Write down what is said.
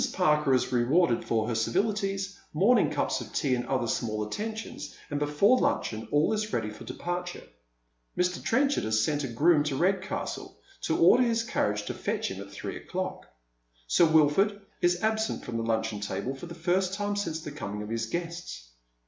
Parker is rewarded for her civilitiea, morning cups of tea and other small attentions, and before luncheon all is ready for departure. Mr. Trenchard has sent a groom to Redcastle to order his carriage to fetch him at three o'clock. Sir Wilford is absent from the luncheon table for the first time since the coming of his guests.